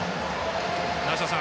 梨田さん